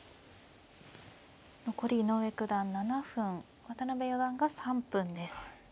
残り井上九段７分渡辺四段が３分です。